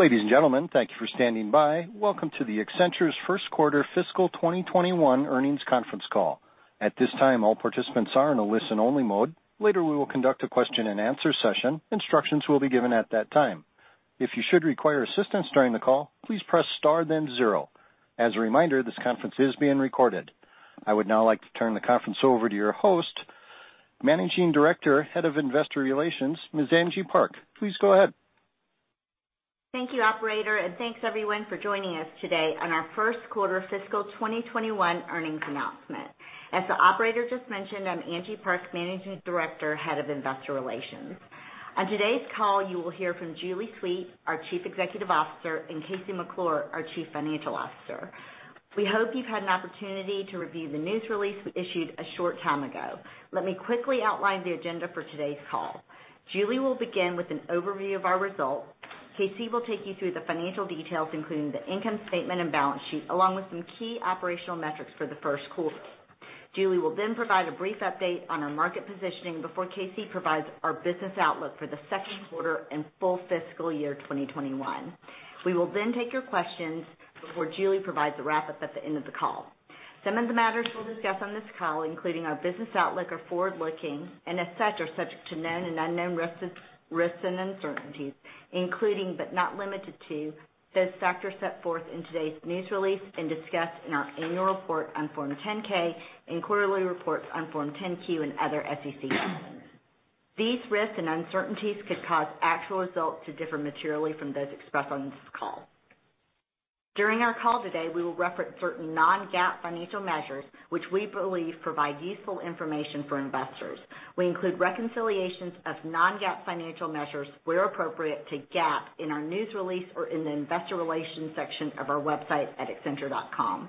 Ladies and gentlemen, thank you for standing by. Welcome to the Accenture's first quarter fiscal 2021 earnings conference call. At this time, all participants are in a listen-only mode. Later, we will conduct a question and answer session. Instructions will be given at that time. If you should require assistance during the call, please press star then zero. As a reminder, this conference is being recorded. I would now like to turn the conference over to your host, Managing Director, Head of Investor Relations, Ms. Angie Park. Please go ahead. Thank you, operator, and thanks everyone for joining us today on our first quarter fiscal 2021 earnings announcement. As the operator just mentioned, I'm Angie Park, Managing Director, Head of Investor Relations. On today's call, you will hear from Julie Sweet, our Chief Executive Officer, and KC McClure, our Chief Financial Officer. We hope you've had an opportunity to review the news release we issued a short time ago. Let me quickly outline the agenda for today's call. Julie will begin with an overview of our results. KC will take you through the financial details, including the income statement and balance sheet, along with some key operational metrics for the first quarter. Julie will then provide a brief update on our market positioning before KC provides our business outlook for the second quarter and full fiscal year 2021. We will then take your questions before Julie provides a wrap-up at the end of the call. Some of the matters we'll discuss on this call, including our business outlook, are forward-looking, and as such, are subject to known and unknown risks and uncertainties, including, but not limited to, those factors set forth in today's news release and discussed in our annual report on Form 10-K and quarterly reports on Form 10-Q and other SEC filings. These risks and uncertainties could cause actual results to differ materially from those expressed on this call. During our call today, we will reference certain non-GAAP financial measures which we believe provide useful information for investors. We include reconciliations of non-GAAP financial measures where appropriate to GAAP in our news release or in the investor relations section of our website at accenture.com.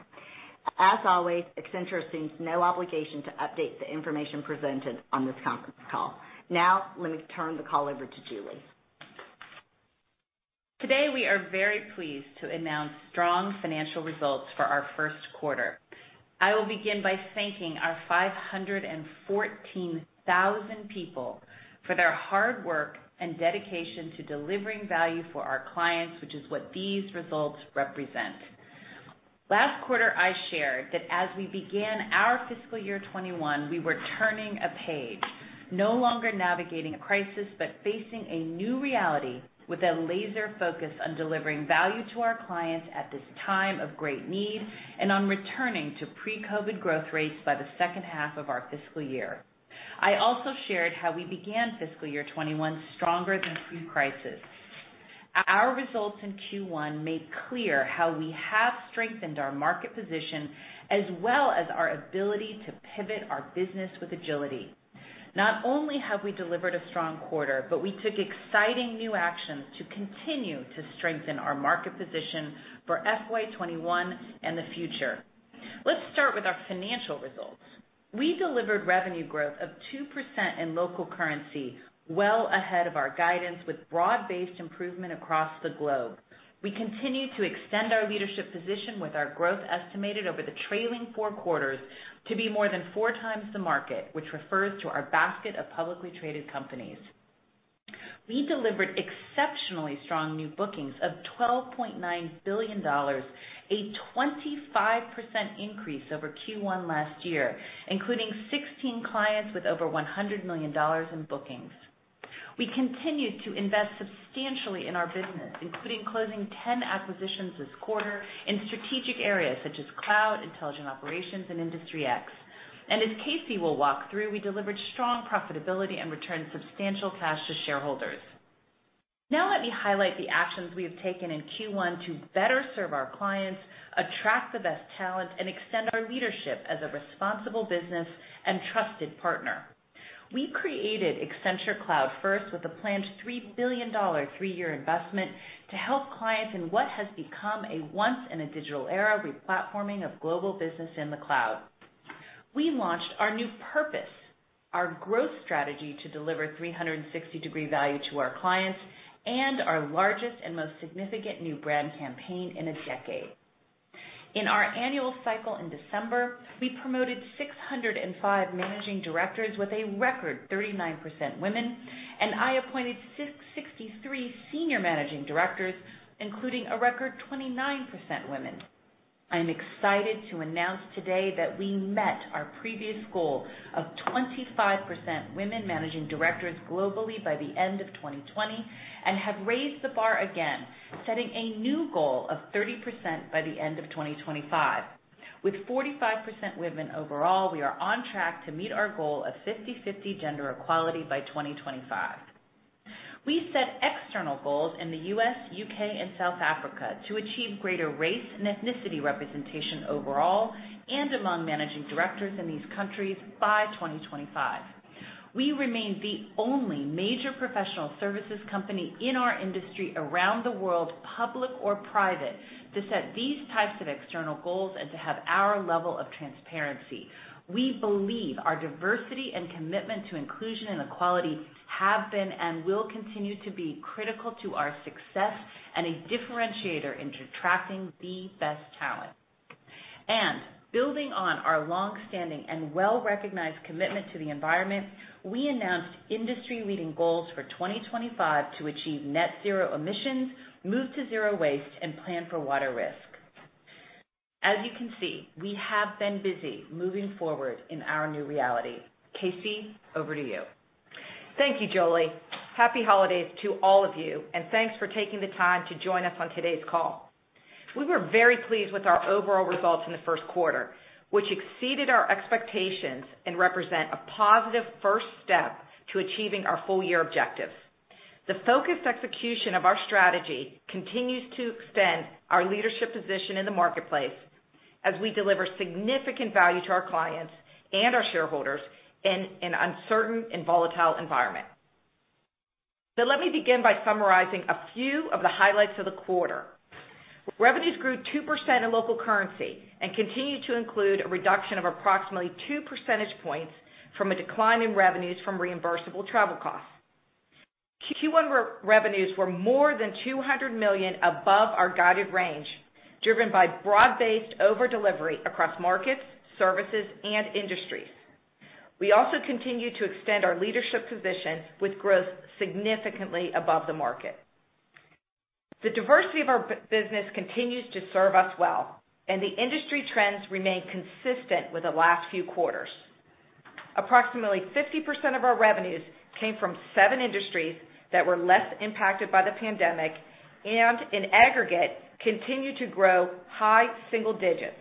As always, Accenture assumes no obligation to update the information presented on this conference call. Now, let me turn the call over to Julie. Today, we are very pleased to announce strong financial results for our first quarter. I will begin by thanking our 514,000 people for their hard work and dedication to delivering value for our clients, which is what these results represent. Last quarter, I shared that as we began our fiscal year 2021, we were turning a page, no longer navigating a crisis, but facing a new reality with a laser focus on delivering value to our clients at this time of great need and on returning to pre-COVID growth rates by the second half of our fiscal year. I also shared how we began fiscal year 2021 stronger than pre-crisis. Our results in Q1 make clear how we have strengthened our market position as well as our ability to pivot our business with agility. Not only have we delivered a strong quarter, but we took exciting new actions to continue to strengthen our market position for FY 2021 and the future. Let's start with our financial results. We delivered revenue growth of 2% in local currency, well ahead of our guidance, with broad-based improvement across the globe. We continue to extend our leadership position with our growth estimated over the trailing four quarters to be more than four times the market, which refers to our basket of publicly traded companies. We delivered exceptionally strong new bookings of $12.9 billion, a 25% increase over Q1 last year, including 16 clients with over $100 million in bookings. We continued to invest substantially in our business, including closing 10 acquisitions this quarter in strategic areas such as cloud, intelligent operations, and Industry X. As KC will walk through, we delivered strong profitability and returned substantial cash to shareholders. Now let me highlight the actions we have taken in Q1 to better serve our clients, attract the best talent, and extend our leadership as a responsible business and trusted partner. We created Accenture Cloud First with a planned $3 billion three-year investment to help clients in what has become a once in a digital era re-platforming of global business in the cloud. We launched our new purpose, our growth strategy to deliver 360-degree Value to our clients, and our largest and most significant new brand campaign in a decade. In our annual cycle in December, we promoted 605 managing directors with a record 39% women, and I appointed 663 senior managing directors, including a record 29% women. I'm excited to announce today that we met our previous goal of 25% women managing directors globally by the end of 2020 and have raised the bar again, setting a new goal of 30% by the end of 2025. With 45% women overall, we are on track to meet our goal of 50/50 gender equality by 2025. We set external goals in the U.S., U.K., and South Africa to achieve greater race and ethnicity representation overall and among managing directors in these countries by 2025. We remain the only major professional services company in our industry around the world, public or private, to set these types of external goals and to have our level of transparency. We believe our diversity and commitment to inclusion and equality have been and will continue to be critical to our success and a differentiator in attracting the best talent. Building on our long-standing and well-recognized commitment to the environment, we announced industry-leading goals for 2025 to achieve net zero emissions, move to zero waste, and plan for water risk. As you can see, we have been busy moving forward in our new reality. KC, over to you. Thank you, Julie. Happy holidays to all of you, and thanks for taking the time to join us on today's call. We were very pleased with our overall results in the first quarter, which exceeded our expectations and represent a positive first step to achieving our full-year objectives. The focused execution of our strategy continues to extend our leadership position in the marketplace as we deliver significant value to our clients and our shareholders in an uncertain and volatile environment. Let me begin by summarizing a few of the highlights of the quarter. Revenues grew 2% in local currency and continue to include a reduction of approximately two percentage points from a decline in revenues from reimbursable travel costs. Q1 revenues were more than $200 million above our guided range, driven by broad-based over-delivery across markets, services, and industries. We also continue to extend our leadership position with growth significantly above the market. The diversity of our business continues to serve us well, and the industry trends remain consistent with the last few quarters. Approximately 50% of our revenues came from seven industries that were less impacted by the pandemic, and in aggregate, continue to grow high single digits,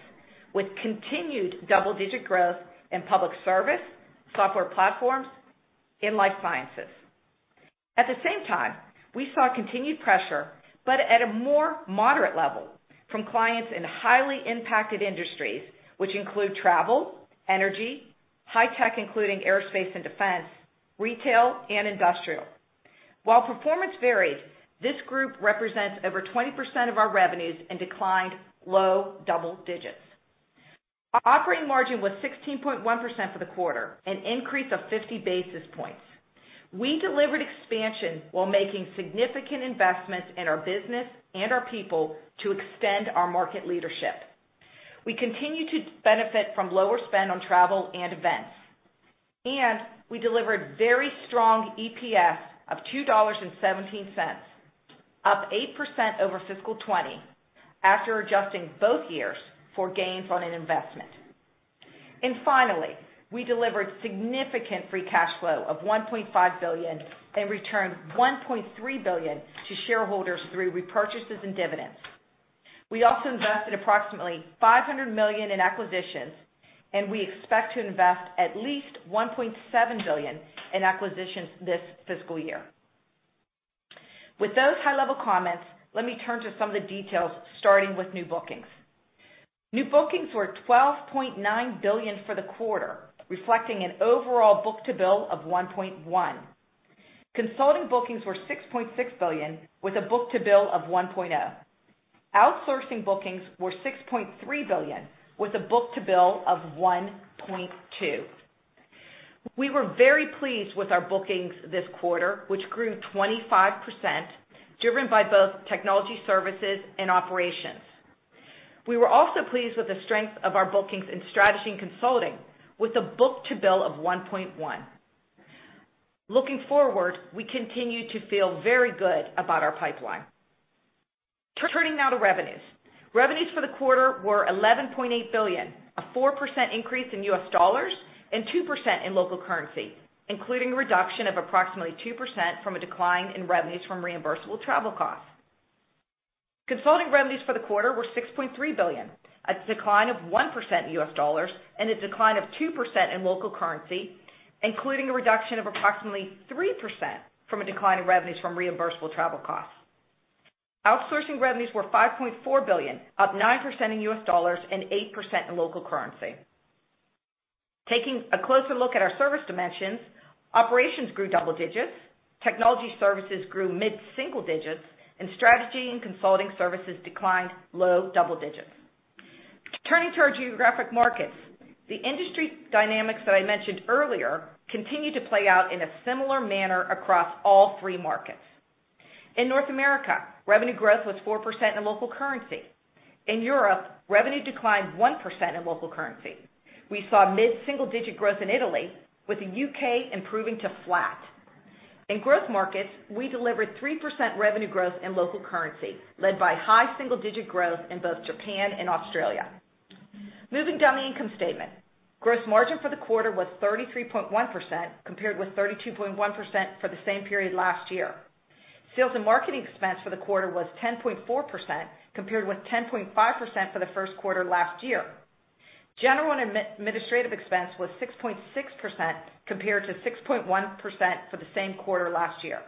with continued double-digit growth in public service, software platforms, and life sciences. At the same time, we saw continued pressure, but at a more moderate level from clients in highly impacted industries, which include travel, energy, high tech, including aerospace and defense, retail, and industrial. While performance varied, this group represents over 20% of our revenues and declined low double digits. Operating margin was 16.1% for the quarter, an increase of 50 basis points. We delivered expansion while making significant investments in our business and our people to extend our market leadership. We continue to benefit from lower spend on travel and events, We delivered very strong EPS of $2.17, up 8% over fiscal 2020, after adjusting both years for gains on an investment. Finally, we delivered significant free cash flow of $1.5 billion and returned $1.3 billion to shareholders through repurchases and dividends. We also invested approximately $500 million in acquisitions, We expect to invest at least $1.7 billion in acquisitions this fiscal year. With those high-level comments, let me turn to some of the details, starting with new bookings. New bookings were $12.9 billion for the quarter, reflecting an overall book-to-bill of 1.1. Consulting bookings were $6.6 billion with a book-to-bill of 1.0. Outsourcing bookings were $6.3 billion with a book-to-bill of 1.2. We were very pleased with our bookings this quarter, which grew 25%, driven by both technology services and operations. We were also pleased with the strength of our bookings in strategy and consulting, with a book-to-bill of 1.1. Looking forward, we continue to feel very good about our pipeline. Turning now to revenues. Revenues for the quarter were $11.8 billion, a 4% increase in US dollars and 2% in local currency, including a reduction of approximately 2% from a decline in revenues from reimbursable travel costs. Consulting revenues for the quarter were $6.3 billion, a decline of 1% in US dollars and a decline of 2% in local currency, including a reduction of approximately 3% from a decline in revenues from reimbursable travel costs. Outsourcing revenues were $5.4 billion, up 9% in US dollars and 8% in local currency. Taking a closer look at our service dimensions, operations grew double digits, technology services grew mid-single digits, and strategy and consulting services declined low double digits. Turning to our geographic markets. The industry dynamics that I mentioned earlier continue to play out in a similar manner across all three markets. In North America, revenue growth was 4% in local currency. In Europe, revenue declined 1% in local currency. We saw mid-single digit growth in Italy, with the U.K. improving to flat. In growth markets, we delivered 3% revenue growth in local currency, led by high single-digit growth in both Japan and Australia. Moving down the income statement. Gross margin for the quarter was 33.1%, compared with 32.1% for the same period last year. Sales and marketing expense for the quarter was 10.4%, compared with 10.5% for the first quarter last year. General and administrative expense was 6.6%, compared to 6.1% for the same quarter last year.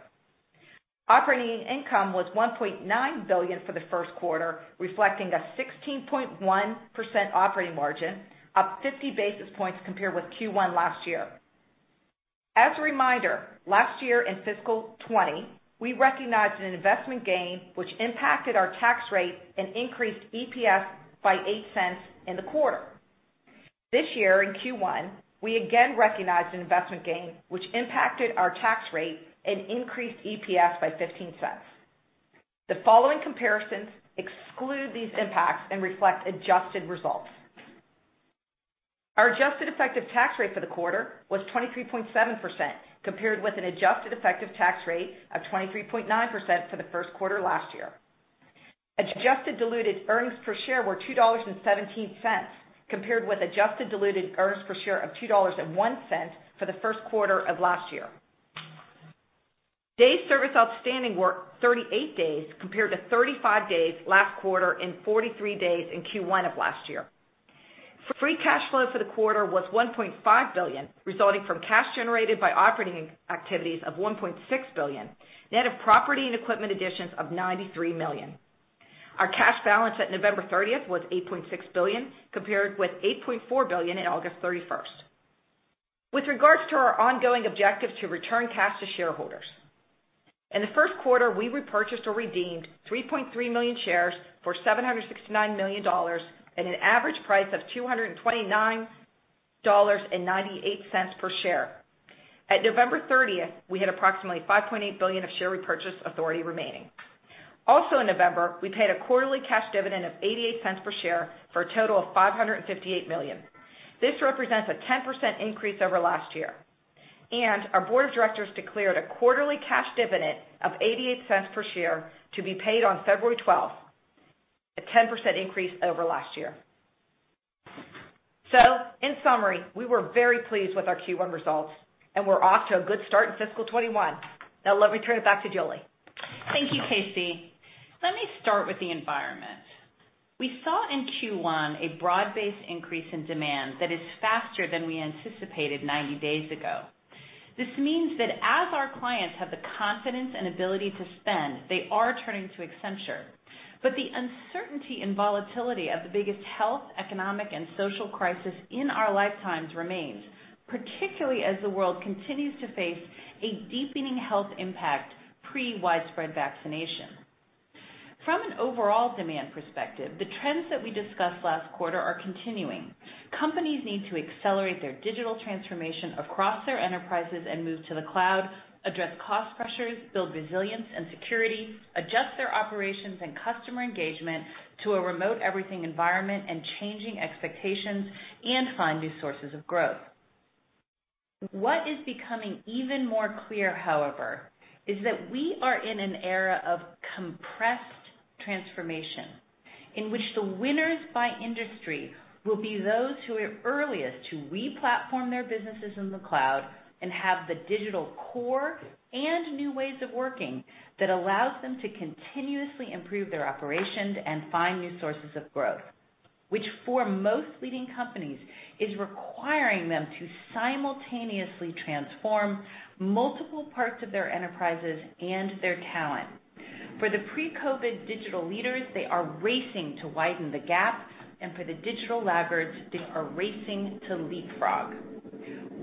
Operating income was $1.9 billion for the first quarter, reflecting a 16.1% operating margin, up 50 basis points compared with Q1 last year. As a reminder, last year in fiscal 2020, we recognized an investment gain which impacted our tax rate and increased EPS by $0.08 in the quarter. This year in Q1, we again recognized an investment gain, which impacted our tax rate and increased EPS by $0.15. The following comparisons exclude these impacts and reflect adjusted results. Our adjusted effective tax rate for the quarter was 23.7%, compared with an adjusted effective tax rate of 23.9% for the first quarter last year. Adjusted diluted earnings per share were $2.17, compared with adjusted diluted earnings per share of $2.01 for the first quarter of last year. Days service outstanding were 38 days compared to 35 days last quarter and 43 days in Q1 of last year. Free cash flow for the quarter was $1.5 billion, resulting from cash generated by operating activities of $1.6 billion, net of property and equipment additions of $93 million. Our cash balance at November 30th was $8.6 billion, compared with $8.4 billion in August 31st. With regards to our ongoing objective to return cash to shareholders, in the first quarter, we repurchased or redeemed 3.3 million shares for $769 million at an average price of $229.98 per share. At November 30th, we had approximately $5.8 billion of share repurchase authority remaining. Also in November, we paid a quarterly cash dividend of $0.88 per share for a total of $558 million. This represents a 10% increase over last year. Our board of directors declared a quarterly cash dividend of $0.88 per share to be paid on February 12th, a 10% increase over last year. In summary, we were very pleased with our Q1 results and we're off to a good start in fiscal 2021. Now let me turn it back to Julie. Thank you, KC. Let me start with the environment. We saw in Q1 a broad-based increase in demand that is faster than we anticipated 90 days ago. This means that as our clients have the confidence and ability to spend, they are turning to Accenture. The uncertainty and volatility of the biggest health, economic, and social crisis in our lifetimes remains, particularly as the world continues to face a deepening health impact pre-widespread vaccination. From an overall demand perspective, the trends that we discussed last quarter are continuing. Companies need to accelerate their digital transformation across their enterprises and move to the cloud, address cost pressures, build resilience and security, adjust their operations and customer engagement to a remote everything environment and changing expectations, and find new sources of growth. What is becoming even more clear, however, is that we are in an era of compressed transformation in which the winners by industry will be those who are earliest to re-platform their businesses in the cloud and have the digital core and new ways of working that allows them to continuously improve their operations and find new sources of growth. Which for most leading companies, is requiring them to simultaneously transform multiple parts of their enterprises and their talent. For the pre-COVID digital leaders, they are racing to widen the gap, and for the digital laggards, they are racing to leapfrog.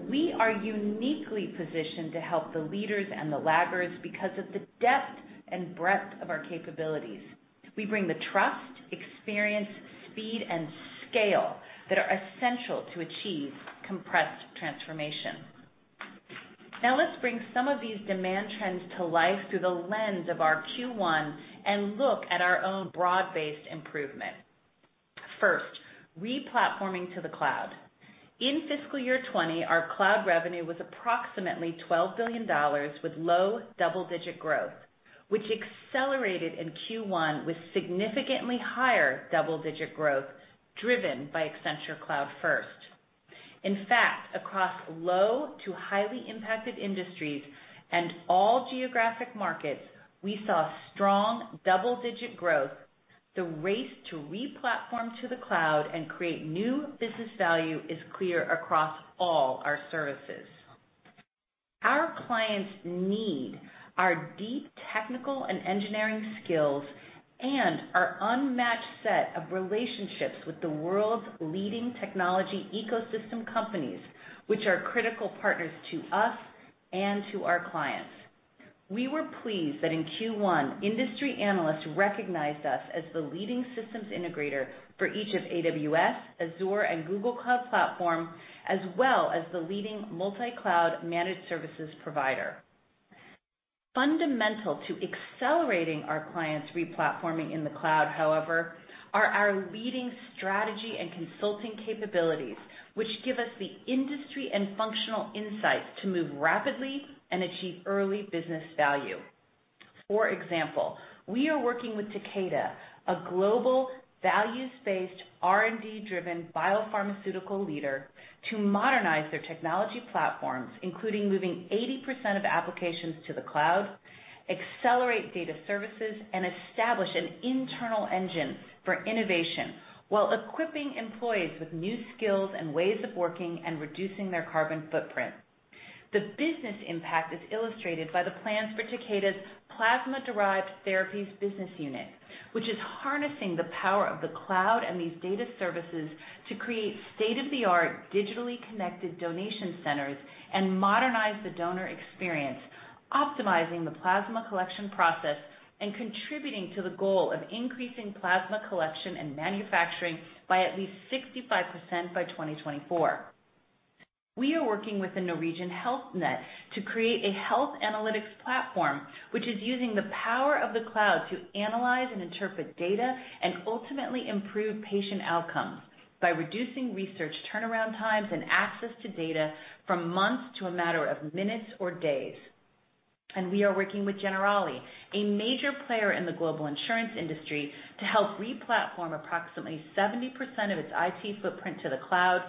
We are uniquely positioned to help the leaders and the laggards because of the depth and breadth of our capabilities. We bring the trust, experience, speed, and scale that are essential to achieve compressed transformation. Let's bring some of these demand trends to life through the lens of our Q1 and look at our own broad-based improvement. First, re-platforming to the cloud. In fiscal year 2020, our cloud revenue was approximately $12 billion with low double-digit growth, which accelerated in Q1 with significantly higher double-digit growth driven by Accenture Cloud First. Across low to highly impacted industries and all geographic markets, we saw strong double-digit growth. The race to re-platform to the cloud and create new business value is clear across all our services. Our clients need our deep technical and engineering skills and our unmatched set of relationships with the world's leading technology ecosystem companies, which are critical partners to us and to our clients. We were pleased that in Q1, industry analysts recognized us as the leading systems integrator for each of AWS, Azure, and Google Cloud Platform, as well as the leading multi-cloud managed services provider. Fundamental to accelerating our clients re-platforming in the cloud, however, are our leading strategy and consulting capabilities, which give us the industry and functional insights to move rapidly and achieve early business value. For example, we are working with Takeda, a global values-based R&D-driven biopharmaceutical leader, to modernize their technology platforms, including moving 80% of applications to the cloud, accelerate data services, and establish an internal engine for innovation while equipping employees with new skills and ways of working and reducing their carbon footprint. The business impact is illustrated by the plans for Takeda's plasma-derived therapies business unit, which is harnessing the power of the cloud and these data services to create state-of-the-art digitally connected donation centers and modernize the donor experience, optimizing the plasma collection process and contributing to the goal of increasing plasma collection and manufacturing by at least 65% by 2024. We are working with the Norwegian Health Net to create a health analytics platform, which is using the power of the cloud to analyze and interpret data and ultimately improve patient outcomes by reducing research turnaround times and access to data from months to a matter of minutes or days. We are working with Generali, a major player in the global insurance industry, to help re-platform approximately 70% of its IT footprint to the cloud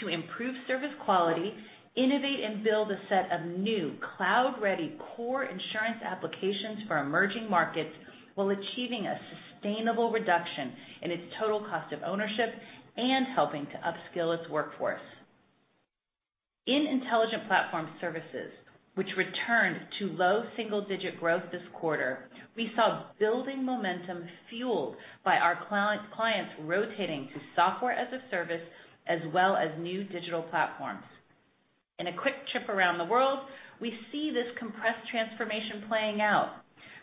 to improve service quality, innovate and build a set of new cloud-ready core insurance applications for emerging markets while achieving a sustainable reduction in its total cost of ownership and helping to upskill its workforce. In Intelligent Platform Services, which returned to low single-digit growth this quarter, we saw building momentum fueled by our clients rotating to software as a service, as well as new digital platforms. In a quick trip around the world, we see this compressed transformation playing out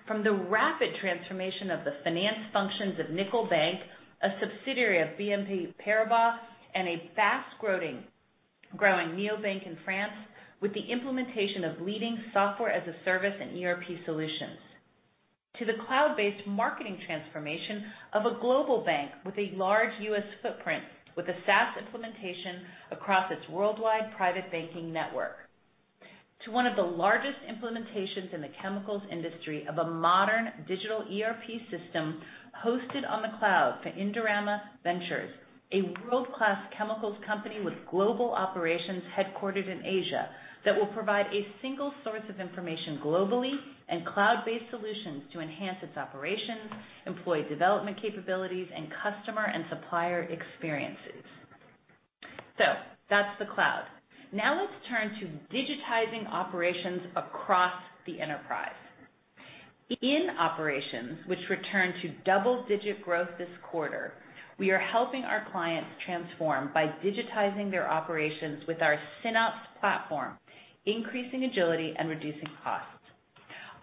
from the rapid transformation of the finance functions of Nickel Bank, a subsidiary of BNP Paribas, and a fast-growing neobank in France with the implementation of leading software as a service and ERP solutions. To the cloud-based marketing transformation of a global bank with a large U.S. footprint with a SaaS implementation across its worldwide private banking network to one of the largest implementations in the chemicals industry of a modern digital ERP system hosted on the cloud for Indorama Ventures, a world-class chemicals company with global operations headquartered in Asia that will provide a single source of information globally and cloud-based solutions to enhance its operations, employee development capabilities, and customer and supplier experiences. That's the cloud. Now let's turn to digitizing operations across the enterprise. In operations, which returned to double-digit growth this quarter, we are helping our clients transform by digitizing their operations with our SynOps platform, increasing agility and reducing costs.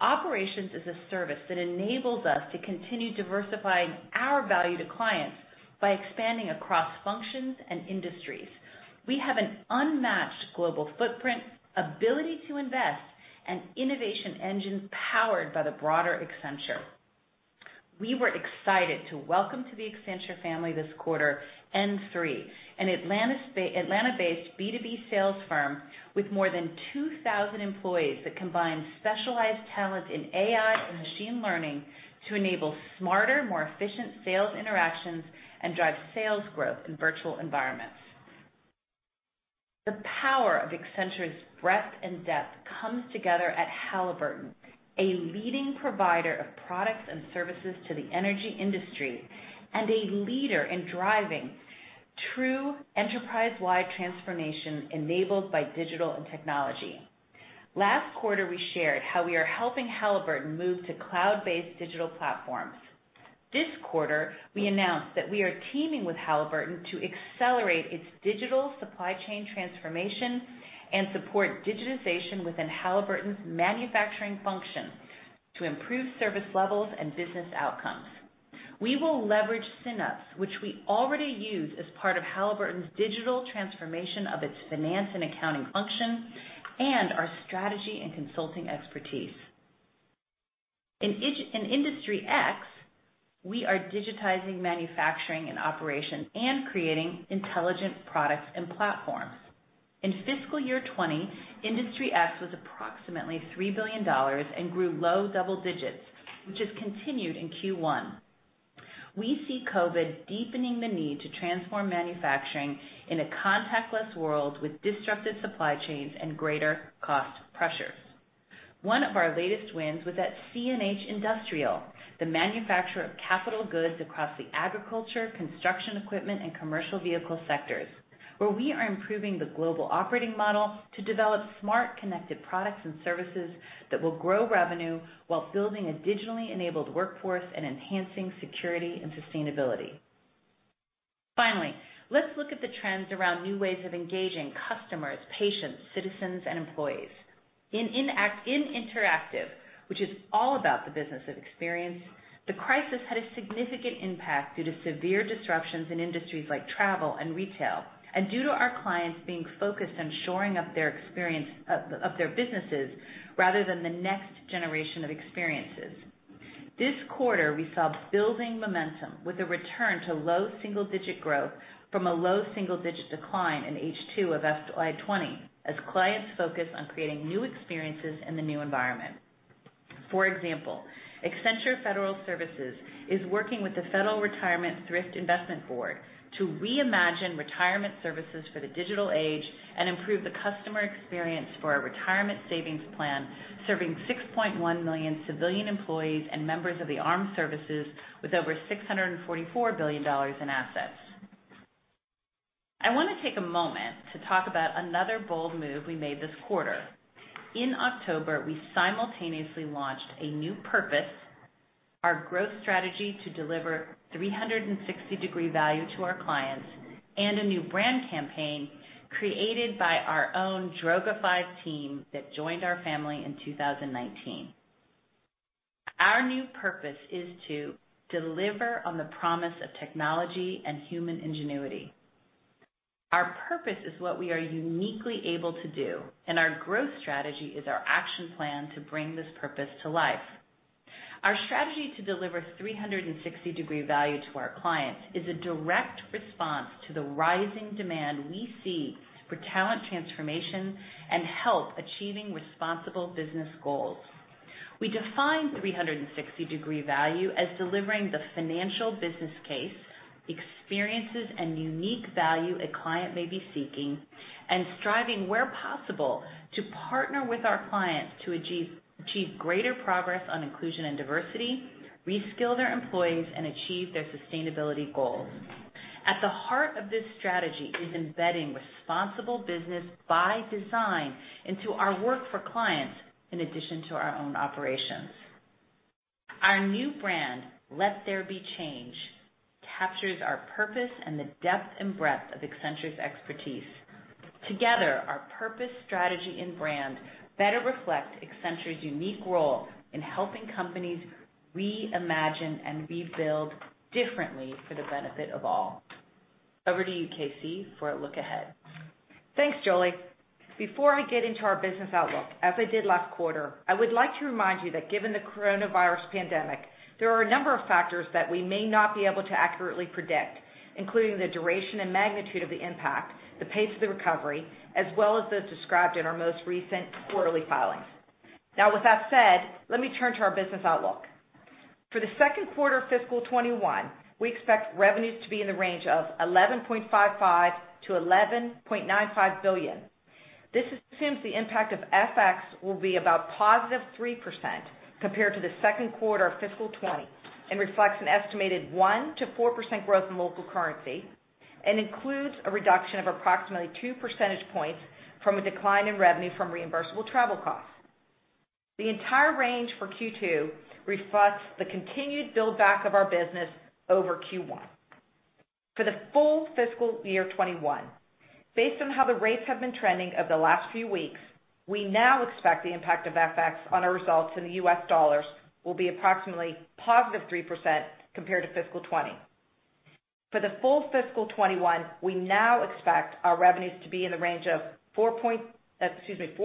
Operations is a service that enables us to continue diversifying our value to clients by expanding across functions and industries. We have an unmatched global footprint, ability to invest, and innovation engine powered by the broader Accenture. We were excited to welcome to the Accenture family this quarter N3, an Atlanta-based B2B sales firm with more than 2,000 employees that combines specialized talent in AI and machine learning to enable smarter, more efficient sales interactions and drive sales growth in virtual environments. The power of Accenture's breadth and depth comes together at Halliburton, a leading provider of products and services to the energy industry and a leader in driving true enterprise-wide transformation enabled by digital and technology. Last quarter, we shared how we are helping Halliburton move to cloud-based digital platforms. This quarter, we announced that we are teaming with Halliburton to accelerate its digital supply chain transformation and support digitization within Halliburton's manufacturing function to improve service levels and business outcomes. We will leverage SynOps, which we already use as part of Halliburton's digital transformation of its finance and accounting function and our strategy and consulting expertise. In Industry X, we are digitizing manufacturing and operation and creating intelligent products and platforms. In fiscal year 2020, Industry X was approximately $3 billion and grew low double digits, which has continued in Q1. We see COVID deepening the need to transform manufacturing in a contactless world with disrupted supply chains and greater cost pressures. One of our latest wins was at CNH Industrial, the manufacturer of capital goods across the agriculture, construction equipment, and commercial vehicle sectors, where we are improving the global operating model to develop smart, connected products and services that will grow revenue while building a digitally enabled workforce and enhancing security and sustainability. Let's look at the trends around new ways of engaging customers, patients, citizens, and employees. In Interactive, which is all about the business of experience, the crisis had a significant impact due to severe disruptions in industries like travel and retail, and due to our clients being focused on shoring up their businesses rather than the next generation of experiences. This quarter, we saw building momentum with a return to low single-digit growth from a low single-digit decline in H2 of FY 2020 as clients focus on creating new experiences in the new environment. For example, Accenture Federal Services is working with the Federal Retirement Thrift Investment Board to reimagine retirement services for the digital age and improve the customer experience for a retirement savings plan serving 6.1 million civilian employees and members of the armed services with over $644 billion in assets. I want to take a moment to talk about another bold move we made this quarter. In October, we simultaneously launched a new purpose, our growth strategy to deliver 360-degree Value to our clients, and a new brand campaign created by our own Droga5 team that joined our family in 2019. Our new purpose is to deliver on the promise of technology and human ingenuity. Our purpose is what we are uniquely able to do, and our growth strategy is our action plan to bring this purpose to life. Our strategy to deliver 360-degree Value to our clients is a direct response to the rising demand we see for talent transformation and help achieving responsible business goals. We define 360-degree Value as delivering the financial business case, experiences, and unique value a client may be seeking and striving, where possible, to partner with our clients to achieve greater progress on inclusion and diversity, reskill their employees, and achieve their sustainability goals. At the heart of this strategy is embedding responsible business by design into our work for clients, in addition to our own operations. Our new brand, Let There Be Change, captures our purpose and the depth and breadth of Accenture's expertise. Together, our purpose, strategy, and brand better reflect Accenture's unique role in helping companies reimagine and rebuild differently for the benefit of all. Over to you, KC, for a look ahead. Thanks, Julie. Before I get into our business outlook, as I did last quarter, I would like to remind you that given the coronavirus pandemic, there are a number of factors that we may not be able to accurately predict, including the duration and magnitude of the impact, the pace of the recovery, as well as those described in our most recent quarterly filings. With that said, let me turn to our business outlook. For the second quarter of fiscal 2021, we expect revenues to be in the range of $11.55 billion-$11.95 billion. This assumes the impact of FX will be about positive 3% compared to the second quarter of fiscal 2020 and reflects an estimated 1%-4% growth in local currency and includes a reduction of approximately two percentage points from a decline in revenue from reimbursable travel costs. The entire range for Q2 reflects the continued build-back of our business over Q1. For the full fiscal year 2021, based on how the rates have been trending over the last few weeks, we now expect the impact of FX on our results in the US dollars will be approximately positive 3% compared to fiscal 2020. For the full fiscal 2021, we now expect our revenues to be in the range of 4%-6%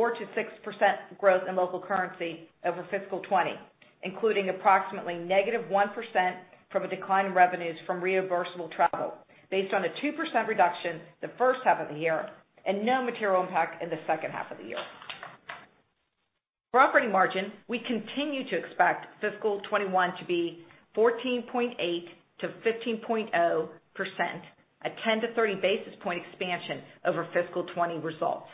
growth in local currency over fiscal 2020, including approximately -1% from a decline in revenues from reimbursable travel based on a 2% reduction the first half of the year and no material impact in the second half of the year. For operating margin, we continue to expect fiscal 2021 to be 14.8%-15.0%, a 10 to 30 basis point expansion over fiscal 2020 results.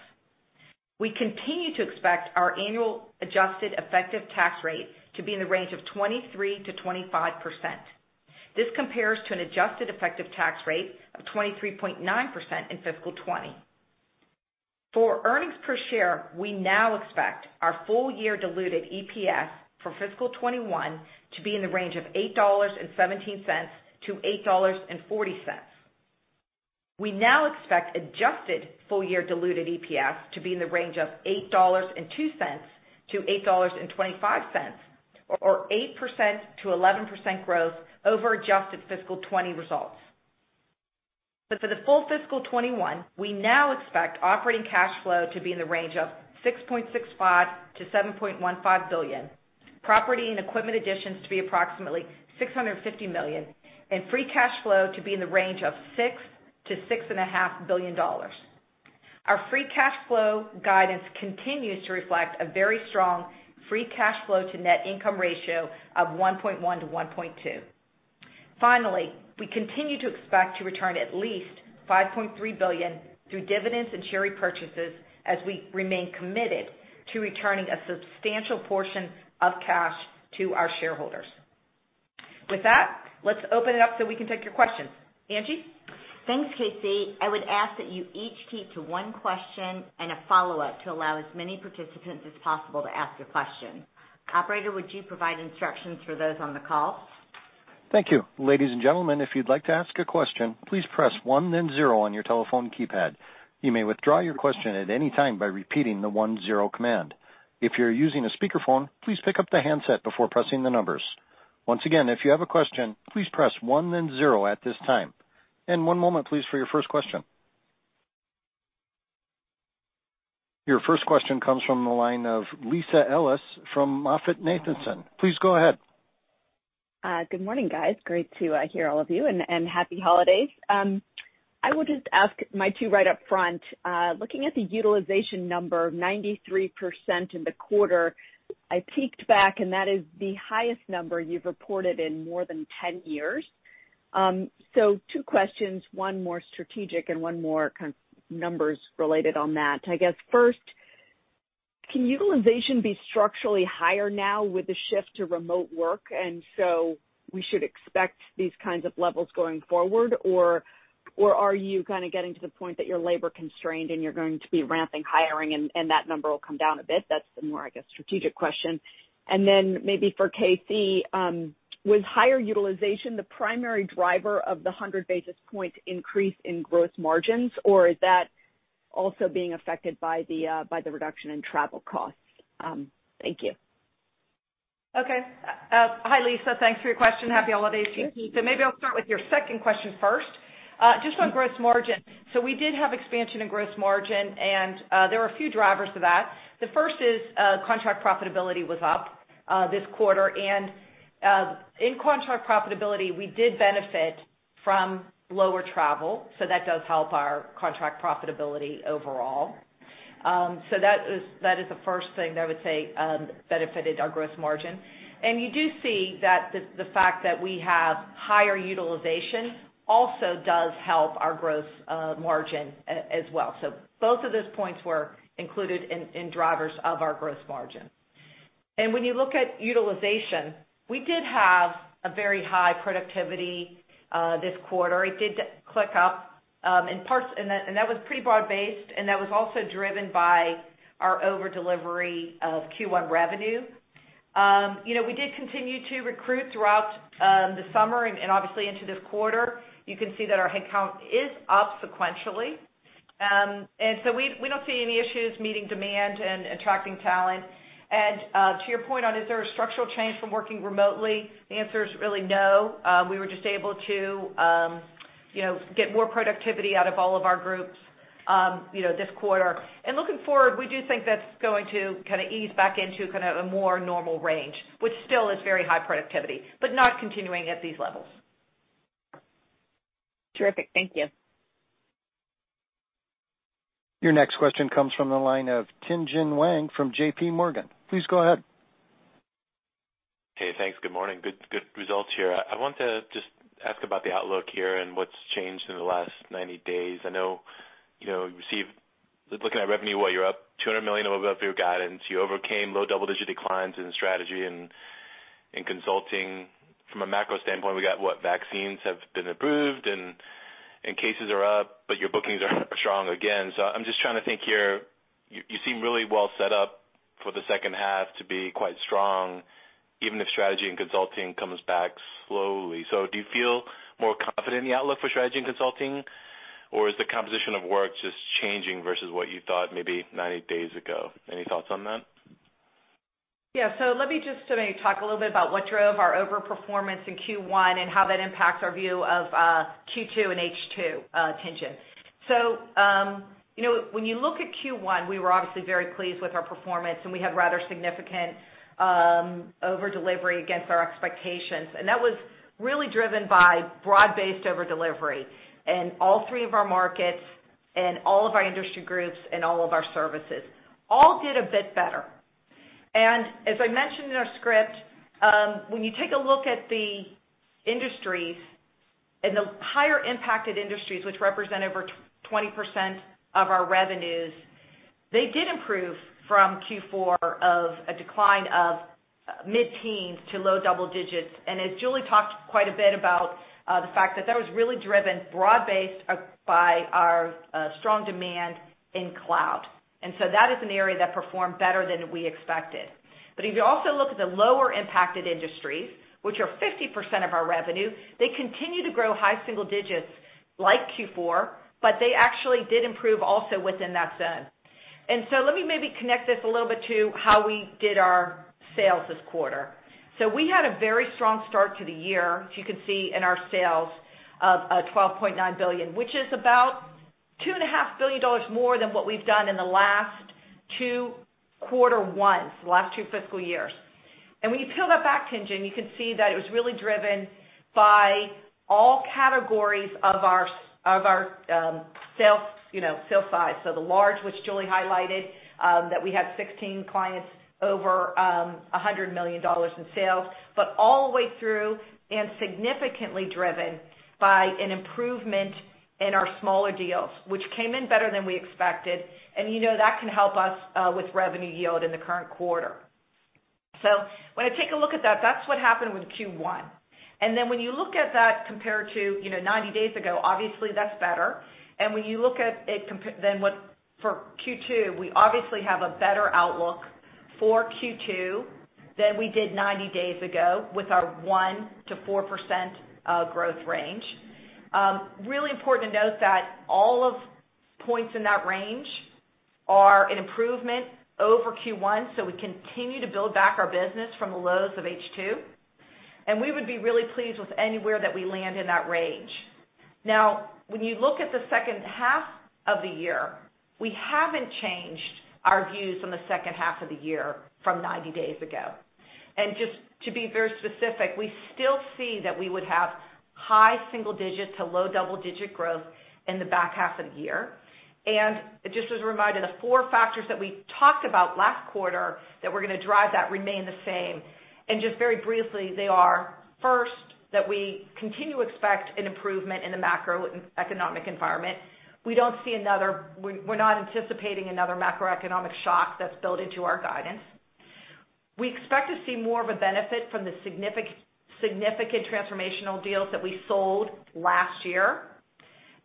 We continue to expect our annual adjusted effective tax rate to be in the range of 23%-25%. This compares to an adjusted effective tax rate of 23.9% in fiscal 2020. For earnings per share, we now expect our full-year diluted EPS for fiscal 2021 to be in the range of $8.17-$8.40. We now expect adjusted full-year diluted EPS to be in the range of $8.02-$8.25, or 8%-11% growth over adjusted fiscal 2020 results. For the full fiscal 2021, we now expect operating cash flow to be in the range of $6.65 billion-$7.15 billion, property and equipment additions to be approximately $650 million, and free cash flow to be in the range of $6 billion-$6.5 billion. Our free cash flow guidance continues to reflect a very strong free cash flow to net income ratio of 1.1 to 1.2. Finally, we continue to expect to return at least $5.3 billion through dividends and share repurchases as we remain committed to returning a substantial portion of cash to our shareholders. With that, let's open it up so we can take your questions. Angie? Thanks, KC. I would ask that you each keep to one question and a follow-up to allow as many participants as possible to ask a question. Operator, would you provide instructions for those on the call? Thank you. Ladies and gentlemen, if you’d like to ask a question, please press one, then zero on your telephone keypad. You may withdraw your question at any time by repeating the one, zero command. If you’re using a speaker phone, please pick up the handset before pressing the numbers. Once again if you have a question, please press one and then zero at this time. One moment, please, for your first question. Your first question comes from the line of Lisa Ellis from MoffettNathanson. Please go ahead. Good morning, guys. Great to hear all of you, and happy holidays. I would just ask my two right up front. Looking at the utilization number, 93% in the quarter, I peeked back. That is the highest number you've reported in more than 10 years. Two questions, one more strategic and one more numbers related on that. I guess first, can utilization be structurally higher now with the shift to remote work, and so we should expect these kinds of levels going forward? Are you getting to the point that you're labor constrained and you're going to be ramping hiring and that number will come down a bit? That's the more, I guess, strategic question. Maybe for KC, was higher utilization the primary driver of the 100 basis point increase in gross margins, or is that also being affected by the reduction in travel costs. Thank you. Okay. Hi, Lisa. Thanks for your question. Happy holidays to you. Maybe I'll start with your second question first. Just on gross margin, so we did have expansion in gross margin, and there are a few drivers to that. The first is contract profitability was up this quarter, and in contract profitability, we did benefit from lower travel, so that does help our contract profitability overall. That is the first thing that I would say benefited our gross margin. You do see that the fact that we have higher utilization also does help our gross margin as well. Both of those points were included in drivers of our gross margin. When you look at utilization, we did have a very high productivity this quarter. It did click up, and that was pretty broad-based, and that was also driven by our over-delivery of Q1 revenue. We did continue to recruit throughout the summer and obviously into this quarter. You can see that our headcount is up sequentially. So we don't see any issues meeting demand and attracting talent. To your point on, is there a structural change from working remotely? The answer is really no. We were just able to get more productivity out of all of our groups this quarter. Looking forward, we do think that's going to kind of ease back into kind of a more normal range, which still is very high productivity, but not continuing at these levels. Terrific. Thank you. Your next question comes from the line of Tien-Tsin Huang from JPMorgan. Please go ahead. Okay, thanks. Good morning. Good results here. I want to just ask about the outlook here and what's changed in the last 90 days. I know, looking at revenue, what, you're up $200 million over your guidance. You overcame low double-digit declines in strategy and in consulting. From a macro standpoint, we got what, vaccines have been approved and cases are up, but your bookings are strong again. I'm just trying to think here, you seem really well set up for the second half to be quite strong, even if strategy and consulting comes back slowly. Do you feel more confident in the outlook for strategy and consulting, or is the composition of work just changing versus what you thought maybe 90 days ago? Any thoughts on that? Let me just maybe talk a little bit about what drove our over-performance in Q1 and how that impacts our view of Q2 and H2, Tien-Tsin. When you look at Q1, we were obviously very pleased with our performance, and we had rather significant over-delivery against our expectations. That was really driven by broad-based over-delivery in all three of our markets and all of our industry groups and all of our services. All did a bit better. As I mentioned in our script, when you take a look at the industries and the higher impacted industries, which represent over 20% of our revenues, they did improve from Q4 of a decline of mid-teens to low double digits. As Julie talked quite a bit about the fact that that was really driven broad-based by our strong demand in cloud. That is an area that performed better than we expected. You also look at the lower impacted industries, which are 50% of our revenue, they continue to grow high single digits like Q4, but they actually did improve also within that zone. Let me maybe connect this a little bit to how we did our sales this quarter. We had a very strong start to the year, as you can see in our sales of $12.9 billion, which is about $2.5 billion more than what we've done in the last two quarter ones, the last two fiscal years. When you peel that back, Tien-Tsin, you can see that it was really driven by all categories of our sales size. The large, which Julie highlighted, that we have 16 clients over $100 million in sales, but all the way through and significantly driven by an improvement in our smaller deals, which came in better than we expected. That can help us with revenue yield in the current quarter. When I take a look at that's what happened with Q1. When you look at that compared to 90 days ago, obviously that's better. When you look at it then for Q2, we obviously have a better outlook for Q2 than we did 90 days ago with our 1%-4% growth range. Really important to note that all of points in that range are an improvement over Q1. We continue to build back our business from the lows of H2, and we would be really pleased with anywhere that we land in that range. When you look at the second half of the year, we haven't changed our views on the second half of the year from 90 days ago. Just to be very specific, we still see that we would have high single-digit to low double-digit growth in the back half of the year. Just as a reminder, the four factors that we talked about last quarter that were going to drive that remain the same. Just very briefly, they are, first, that we continue to expect an improvement in the macroeconomic environment. We're not anticipating another macroeconomic shock that's built into our guidance. We expect to see more of a benefit from the significant transformational deals that we sold last year.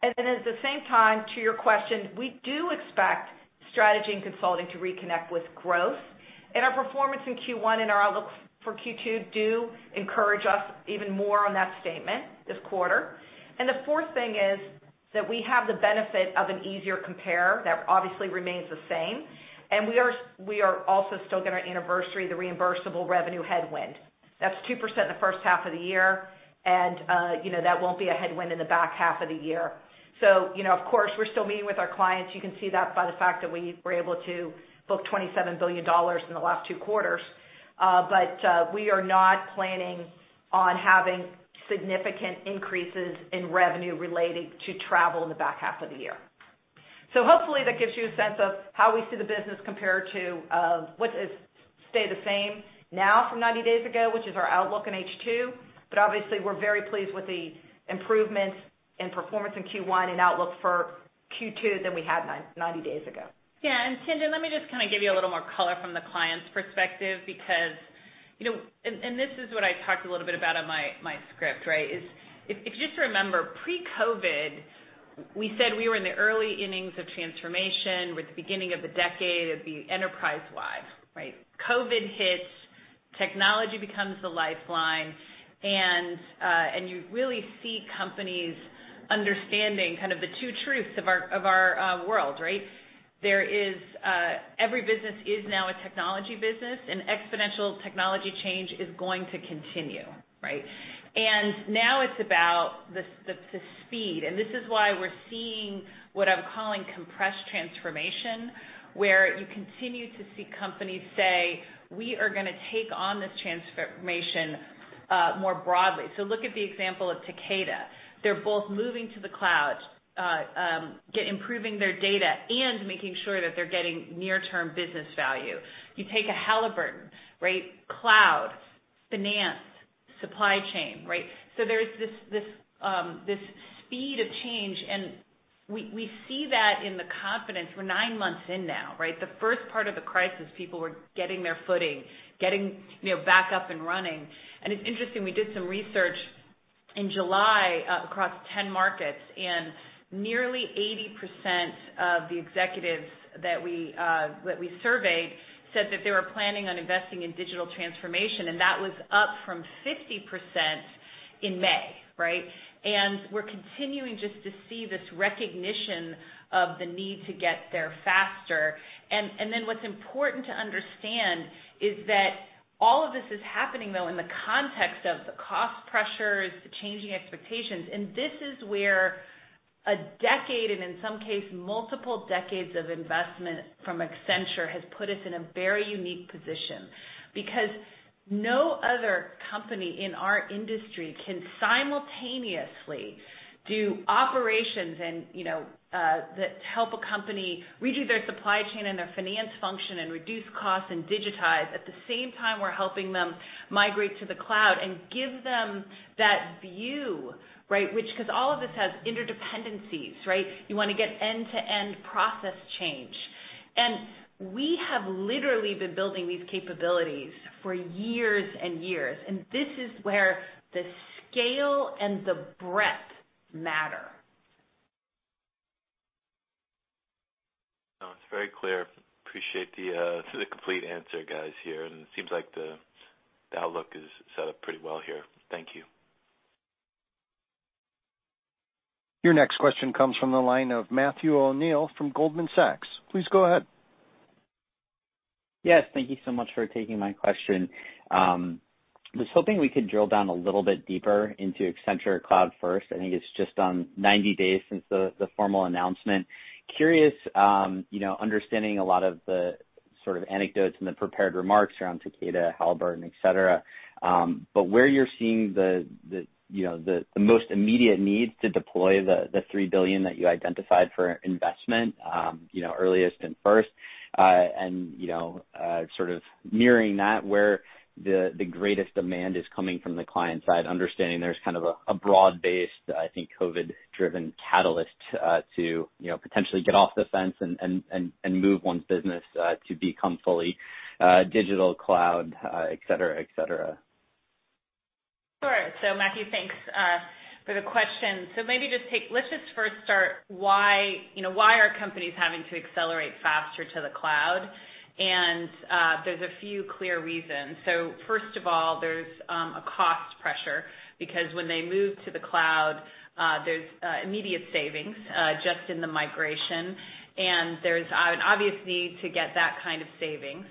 At the same time, to your question, we do expect Strategy and Consulting to reconnect with growth. Our performance in Q1 and our outlook for Q2 do encourage us even more on that statement this quarter. The fourth thing is that we have the benefit of an easier compare that obviously remains the same. We are also still going to anniversary the reimbursable revenue headwind. That's 2% the first half of the year, and that won't be a headwind in the back half of the year. Of course, we're still meeting with our clients. You can see that by the fact that we were able to book $27 billion in the last two quarters. We are not planning on having significant increases in revenue relating to travel in the back half of the year. Hopefully that gives you a sense of how we see the business compare to what is still the same now from 90 days ago, which is our outlook in H2. Obviously, we're very pleased with the improvements in performance in Q1 and outlook for Q2 than we had 90 days ago. Yeah. Tien-Tsin, let me just give you a little more color from the client's perspective, because this is what I talked a little bit about in my script. If you just remember pre-COVID, we said we were in the early innings of transformation. We're at the beginning of the decade. It'd be enterprise-wide, right? COVID hits, technology becomes the lifeline, and you really see companies understanding the two truths of our world, right? Every business is now a technology business, and exponential technology change is going to continue, right? Now it's about the speed. This is why we're seeing what I'm calling compressed transformation, where you continue to see companies say, "We are going to take on this transformation more broadly." Look at the example of Takeda. They're both moving to the cloud, improving their data, and making sure that they're getting near-term business value. You take a Halliburton. Cloud, finance, supply chain. There's this speed of change, and we see that in the confidence. We're nine months in now. The first part of the crisis, people were getting their footing, getting back up and running. It's interesting, we did some research in July across 10 markets, and nearly 80% of the executives that we surveyed said that they were planning on investing in digital transformation, and that was up from 50% in May. We're continuing just to see this recognition of the need to get there faster. What's important to understand is that all of this is happening, though, in the context of the cost pressures, the changing expectations. This is where a decade, and in some case, multiple decades of investment from Accenture has put us in a very unique position because no other company in our industry can simultaneously do operations that help a company redo their supply chain and their finance function and reduce costs and digitize. At the same time, we're helping them migrate to the cloud and give them that view. Because all of this has interdependencies. You want to get end-to-end process change. We have literally been building these capabilities for years and years, and this is where the scale and the breadth matter. No, it's very clear. Appreciate the complete answer, guys, here. It seems like the outlook is set up pretty well here. Thank you. Your next question comes from the line of Matthew O'Neill from Goldman Sachs. Please go ahead. Yes, thank you so much for taking my question. I was hoping we could drill down a little bit deeper into Accenture Cloud First. I think it's just on 90 days since the formal announcement. Curious, understanding a lot of the sort of anecdotes and the prepared remarks around Takeda, Halliburton, et cetera, but where you're seeing the most immediate needs to deploy the $3 billion that you identified for investment earliest and first? Sort of mirroring that, where the greatest demand is coming from the client side, understanding there's kind of a broad-based, I think, COVID-driven catalyst to potentially get off the fence and move one's business to become fully digital cloud, et cetera? Sure. Matthew, thanks for the question. Let's just first start why are companies having to accelerate faster to the cloud? There's a few clear reasons. First of all, there's a cost pressure because when they move to the cloud, there's immediate savings just in the migration. There's an obvious need to get that kind of savings.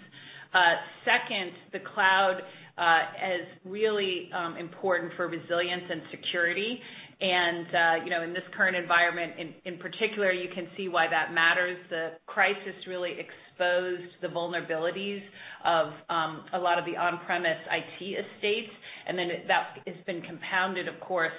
Second, the cloud is really important for resilience and security. In this current environment in particular, you can see why that matters. The crisis really exposed the vulnerabilities of a lot of the on-premise IT estates. That has been compounded, of course,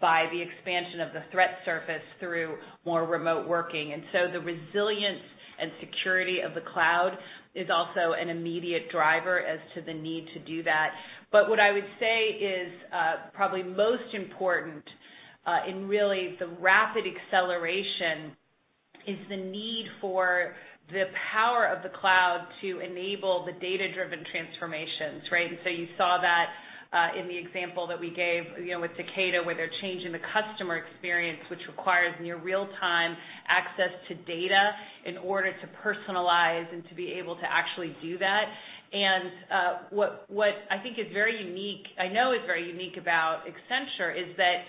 by the expansion of the threat surface through more remote working. The resilience and security of the cloud is also an immediate driver as to the need to do that. What I would say is probably most important in really the rapid acceleration is the need for the power of the cloud to enable the data-driven transformations, right? You saw that in the example that we gave with Takeda, where they're changing the customer experience, which requires near real-time access to data in order to personalize and to be able to actually do that. What I think is very unique, I know is very unique about Accenture is that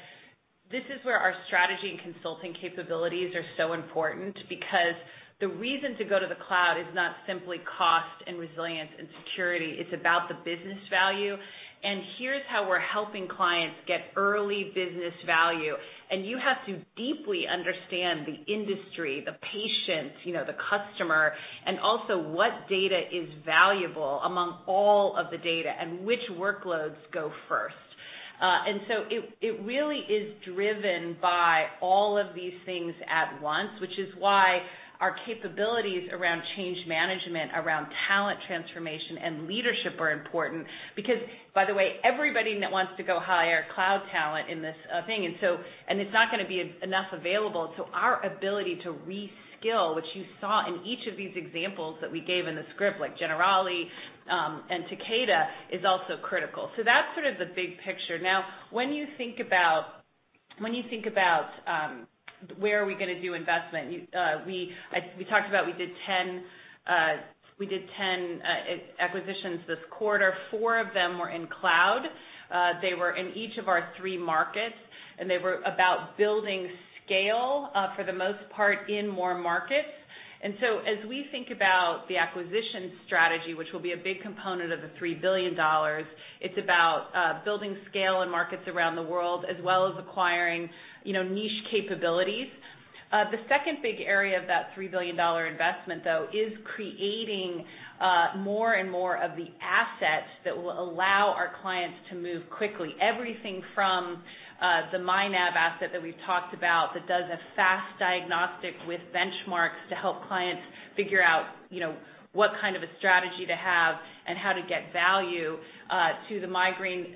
this is where our strategy and consulting capabilities are so important because the reason to go to the cloud is not simply cost and resilience and security. It's about the business value. Here's how we're helping clients get early business value. You have to deeply understand the industry, the patients, the customer, and also what data is valuable among all of the data, and which workloads go first. It really is driven by all of these things at once, which is why our capabilities around change management, around talent transformation and leadership are important because, by the way, everybody now wants to go hire cloud talent in this thing. It's not going to be enough available. Our ability to re-skill, which you saw in each of these examples that we gave in the script, like Generali and Takeda, is also critical. That's sort of the big picture. Now, when you think about where are we going to do investment, we talked about we did 10 acquisitions this quarter. Four of them were in cloud. They were in each of our three markets. They were about building scale, for the most part, in more markets. As we think about the acquisition strategy, which will be a big component of the $3 billion, it's about building scale in markets around the world, as well as acquiring niche capabilities. The second big area of that $3 billion investment, though, is creating more and more of the assets that will allow our clients to move quickly. Everything from the myNav asset that we've talked about that does a fast diagnostic with benchmarks to help clients figure out what kind of a strategy to have and how to get value to the myGreen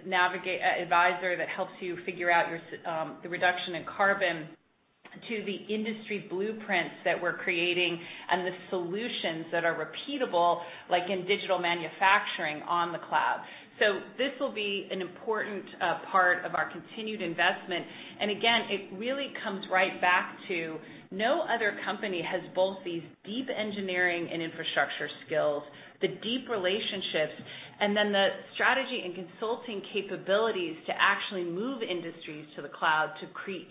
Advisor that helps you figure out the reduction in carbon to the industry blueprints that we're creating and the solutions that are repeatable, like in digital manufacturing on the cloud. This will be an important part of our continued investment. Again, it really comes right back to no other company has both these deep engineering and infrastructure skills, the deep relationships, and then the strategy and consulting capabilities to actually move industries to the cloud to create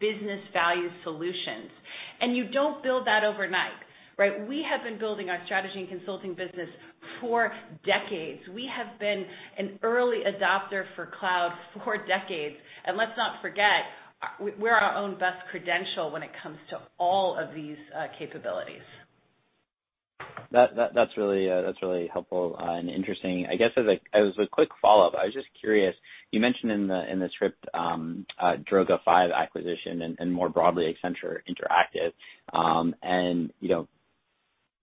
business value solutions. You don't build that overnight, right? We have been building our strategy and consulting business for decades. We have been an early adopter for cloud for decades. Let's not forget, we're our own best credential when it comes to all of these capabilities. That's really helpful and interesting. I guess as a quick follow-up, I was just curious, you mentioned in the script Droga5 acquisition and more broadly Accenture Interactive.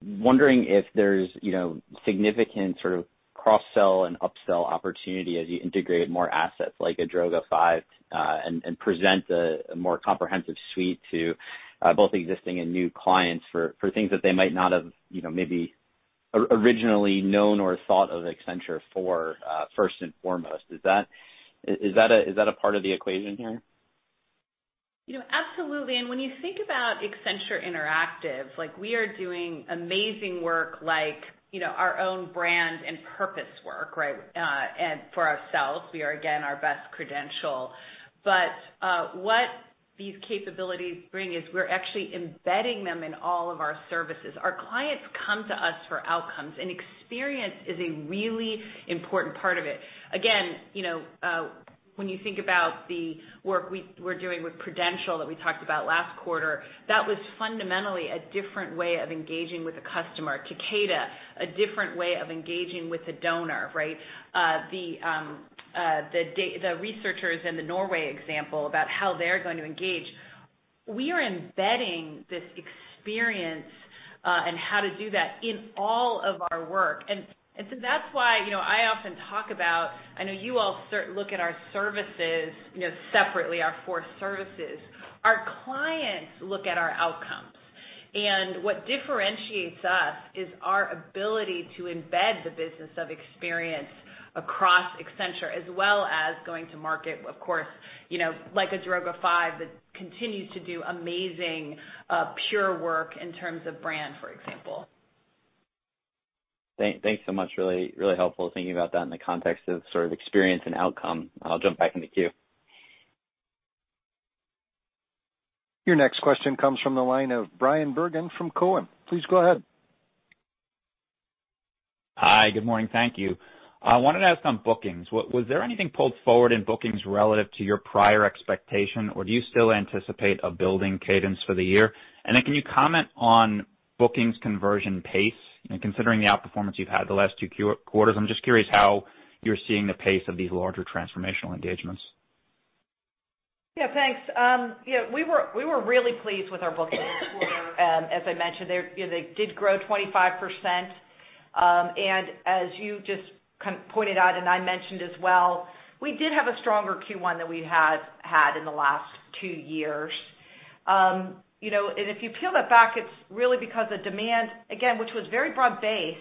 Wondering if there's significant sort of cross-sell and upsell opportunity as you integrate more assets like a Droga5 and present a more comprehensive suite to both existing and new clients for things that they might not have maybe originally known or thought of Accenture for first and foremost. Is that a part of the equation here? Absolutely. When you think about Accenture Interactive, we are doing amazing work like our own brand and purpose work, right? For ourselves. We are, again, our best credential. What these capabilities bring is we're actually embedding them in all of our services. Our clients come to us for outcomes, and experience is a really important part of it. Again, when you think about the work we're doing with Prudential that we talked about last quarter, that was fundamentally a different way of engaging with a customer. Takeda, a different way of engaging with a donor, right? The researchers in the Norway example about how they're going to engage. We are embedding this experience and how to do that in all of our work. That's why I often talk about, I know you all look at our services separately, our four services. Our clients look at our outcomes. What differentiates us is our ability to embed the business of experience across Accenture as well as going to market, of course, like a Droga5 that continues to do amazing pure work in terms of brand, for example. Thanks so much. Really helpful thinking about that in the context of sort of experience and outcome. I'll jump back in the queue. Your next question comes from the line of Bryan Bergin from Cowen. Please go ahead. Hi. Good morning. Thank you. I wanted to ask on bookings. Was there anything pulled forward in bookings relative to your prior expectation, or do you still anticipate a building cadence for the year? Can you comment on bookings conversion pace? Considering the outperformance you've had the last two quarters, I'm just curious how you're seeing the pace of these larger transformational engagements. Yeah, thanks. We were really pleased with our bookings quarter. As I mentioned, they did grow 25%. As you just pointed out, and I mentioned as well, we did have a stronger Q1 than we had had in the last two years. If you peel that back, it's really because the demand, again, which was very broad-based,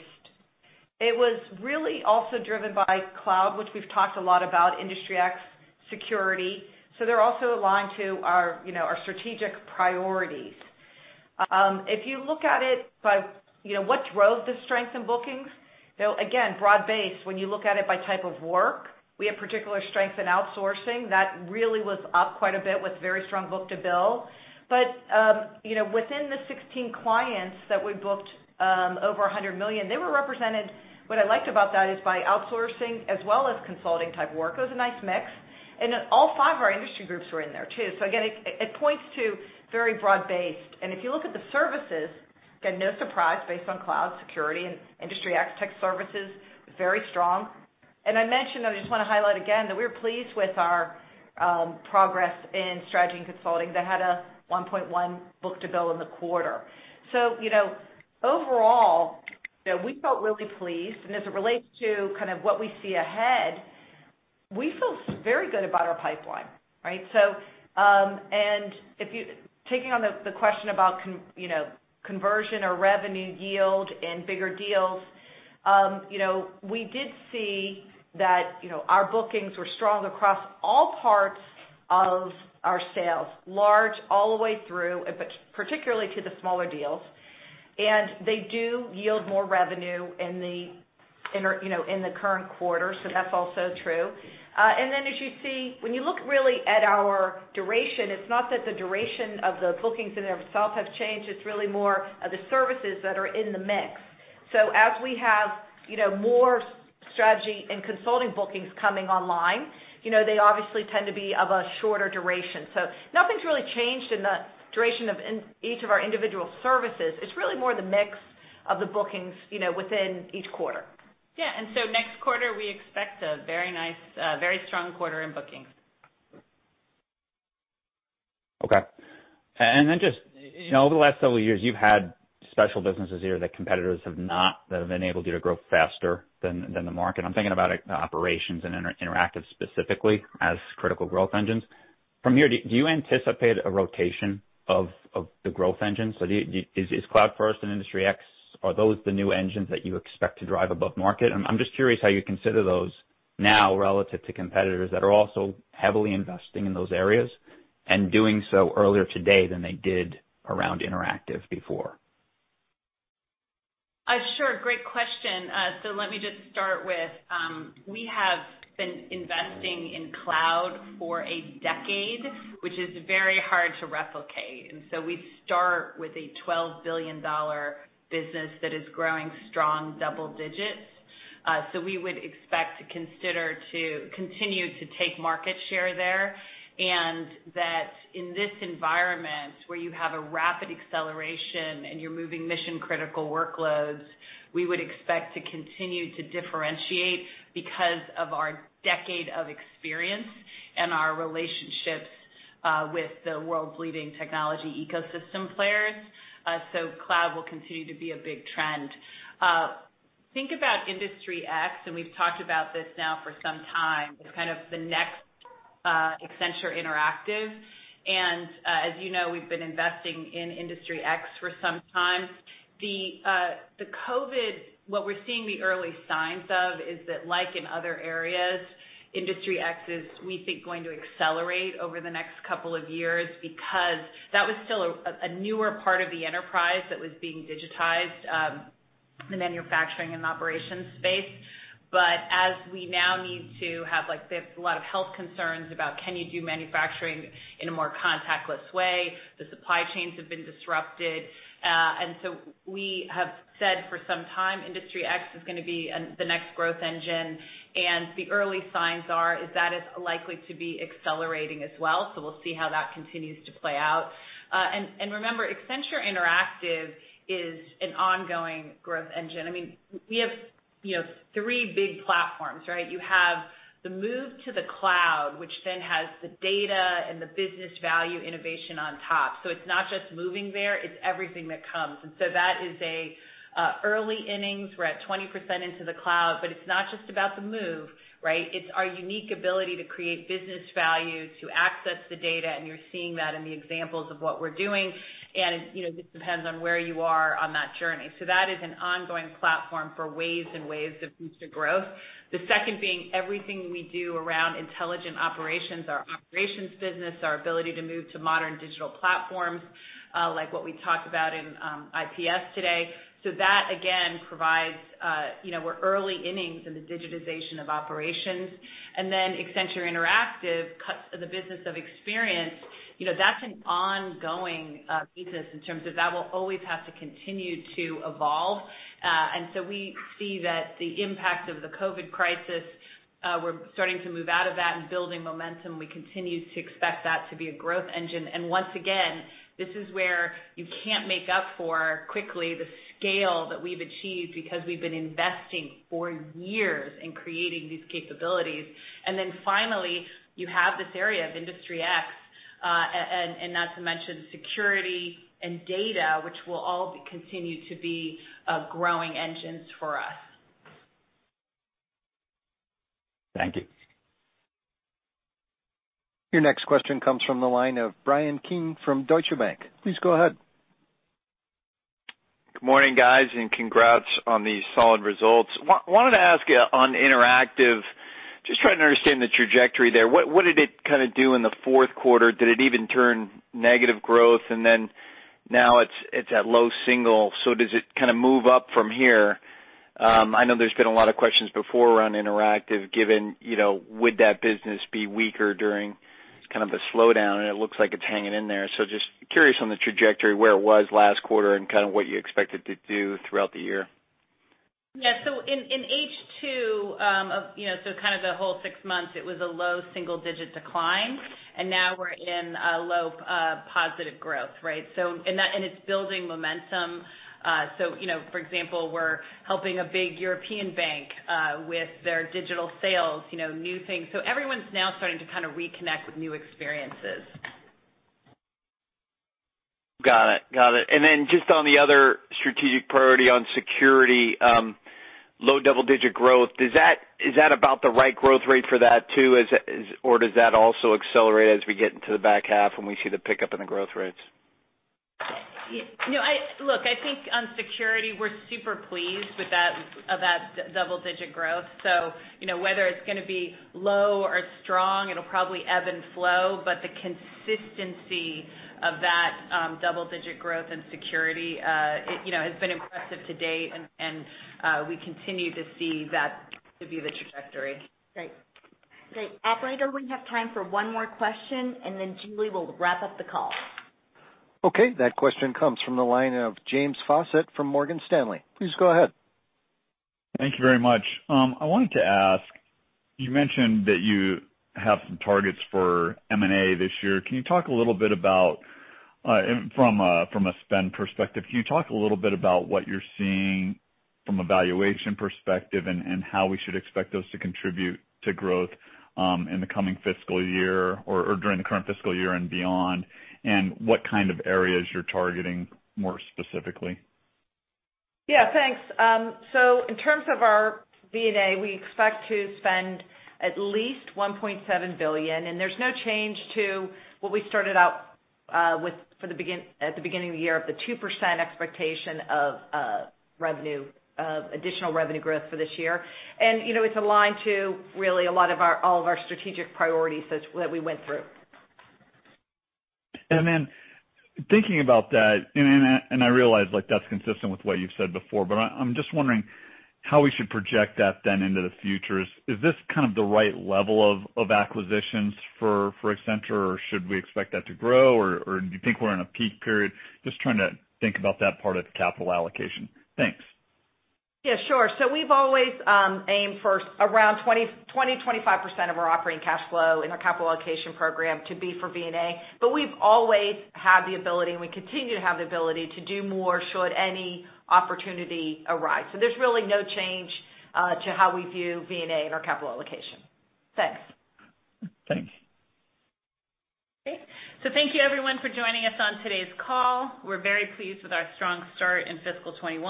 it was really also driven by cloud, which we've talked a lot about, Industry X, Security. They're also aligned to our strategic priorities. If you look at it by what drove the strength in bookings, again, broad-based, when you look at it by type of work, we have particular strength in outsourcing. That really was up quite a bit with very strong book-to-bill. Within the 16 clients that we booked over $100 million, they were represented, what I liked about that, is by outsourcing as well as consulting-type work. It was a nice mix. All five of our industry groups were in there, too. Again, it points to very broad-based. If you look at the services, again, no surprise, based on cloud security and Industry X tech services, very strong. I mentioned, I just want to highlight again, that we were pleased with our progress in strategy and consulting that had a 1.1 book-to-bill in the quarter. Overall, we felt really pleased. As it relates to what we see ahead, we feel very good about our pipeline. Right? Taking on the question about conversion or revenue yield and bigger deals, we did see that our bookings were strong across all parts of our sales, large all the way through, particularly to the smaller deals. They do yield more revenue in the current quarter, so that's also true. As you see, when you look really at our duration, it's not that the duration of the bookings in itself have changed, it's really more of the services that are in the mix. As we have more strategy and consulting bookings coming online, they obviously tend to be of a shorter duration. Nothing's really changed in the duration of each of our individual services. It's really more the mix of the bookings within each quarter. Yeah. Next quarter, we expect a very strong quarter in bookings. Okay. Just, over the last several years, you've had special businesses here that competitors have not, that have enabled you to grow faster than the market. I'm thinking about Operations and Interactive specifically as critical growth engines. From here, do you anticipate a rotation of the growth engines? Is Cloud First and Industry X, are those the new engines that you expect to drive above market? I'm just curious how you consider those now relative to competitors that are also heavily investing in those areas and doing so earlier today than they did around Interactive before. Sure. Great question. Let me just start with, we have been investing in cloud for a decade, which is very hard to replicate. We start with a $12 billion business that is growing strong double digits. We would expect to continue to take market share there, and that in this environment where you have a rapid acceleration and you're moving mission-critical workloads, we would expect to continue to differentiate because of our decade of experience and our relationships with the world's leading technology ecosystem players. Cloud will continue to be a big trend. Think about Industry X, we've talked about this now for some time, as kind of the next Accenture Interactive. As you know, we've been investing in Industry X for some time. The COVID, what we're seeing the early signs of is that like in other areas, Industry X is, we think, going to accelerate over the next couple of years because that was still a newer part of the enterprise that was being digitized in the manufacturing and operations space. As we now need to have a lot of health concerns about can you do manufacturing in a more contactless way? The supply chains have been disrupted. We have said for some time, Industry X is going to be the next growth engine. The early signs are is that is likely to be accelerating as well. We'll see how that continues to play out. Remember, Accenture Interactive is an ongoing growth engine. We have three big platforms, right? You have the move to the cloud, which then has the data and the business value innovation on top. It's not just moving there, it's everything that comes. That is a early innings. We're at 20% into the cloud, but it's not just about the move, right? It's our unique ability to create business value, to access the data, and you're seeing that in the examples of what we're doing. It just depends on where you are on that journey. That is an ongoing platform for waves and waves of future growth. The second being everything we do around intelligent operations, our operations business, our ability to move to modern digital platforms, like what we talked about in IPS today. That, again, provides we're early innings in the digitization of operations. Accenture Interactive cuts the business of experience. That's an ongoing business in terms of that will always have to continue to evolve. We see that the impact of the COVID crisis, we're starting to move out of that and building momentum. We continue to expect that to be a growth engine. Once again, this is where you can't make up for quickly the scale that we've achieved because we've been investing for years in creating these capabilities. Finally, you have this area of Industry X. Not to mention security and data, which will all continue to be growing engines for us. Thank you. Your next question comes from the line of Bryan Keane from Deutsche Bank. Please go ahead. Good morning, guys. Congrats on the solid results. Wanted to ask on Interactive, just trying to understand the trajectory there. What did it kind of do in the fourth quarter? Did it even turn negative growth? Now it's at low single, does it kind of move up from here? I know there's been a lot of questions before around Interactive given, would that business be weaker during kind of the slowdown? It looks like it's hanging in there. Just curious on the trajectory, where it was last quarter and kind of what you expect it to do throughout the year. Yeah. In H2, so kind of the whole six months, it was a low single-digit decline. Now we're in a low positive growth, right? It's building momentum. For example, we're helping a big European bank with their digital sales, new things. Everyone's now starting to kind of reconnect with new experiences. Got it. Just on the other strategic priority on security, low double-digit growth. Is that about the right growth rate for that too? Does that also accelerate as we get into the back half when we see the pickup in the growth rates? I think on security, we're super pleased with that double-digit growth. Whether it's going to be low or strong, it'll probably ebb and flow. The consistency of that double-digit growth and security has been impressive to date. We continue to see that to be the trajectory. Great. Operator, we have time for one more question, and then Julie will wrap up the call. Okay. That question comes from the line of James Faucette from Morgan Stanley. Please go ahead. Thank you very much. I wanted to ask, you mentioned that you have some targets for M&A this year. From a spend perspective, can you talk a little bit about what you're seeing from a valuation perspective and how we should expect those to contribute to growth in the coming fiscal year or during the current fiscal year and beyond? What kind of areas you're targeting more specifically? Yeah, thanks. In terms of our M&A, we expect to spend at least $1.7 billion, there's no change to what we started out with at the beginning of the year of the 2% expectation of additional revenue growth for this year. It's aligned to really all of our strategic priorities that we went through. Thinking about that, I realize that's consistent with what you've said before, I'm just wondering how we should project that then into the future. Is this kind of the right level of acquisitions for Accenture, or should we expect that to grow, or do you think we're in a peak period? Just trying to think about that part of the capital allocation. Thanks. Yeah, sure. We've always aimed for around 20%, 25% of our operating cash flow in our capital allocation program to be for M&A. We've always had the ability, and we continue to have the ability to do more should any opportunity arise. There's really no change to how we view M&A in our capital allocation. Thanks. Thanks. Thank you everyone for joining us on today's call. We're very pleased with our strong start in fiscal 2021.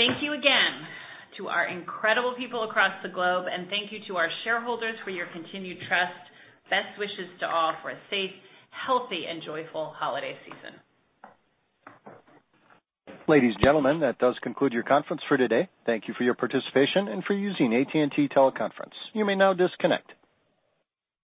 Thank you again to our incredible people across the globe, and thank you to our shareholders for your continued trust. Best wishes to all for a safe, healthy and joyful holiday season. Ladies, gentlemen, that does conclude your conference for today. Thank you for your participation and for using AT&T Teleconference. You may now disconnect.